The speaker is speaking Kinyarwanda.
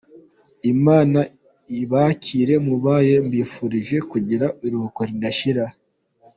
Imana ibakire mubayo mbifurije kugira iruhuko ridashira .